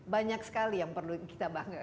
banyak sekali yang perlu kita bangga